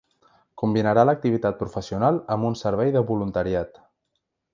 Combinarà l’activitat professional amb un servei de voluntariat.